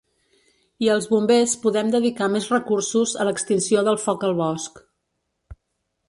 I els bombers podem dedicar més recursos a l’extinció del foc al bosc.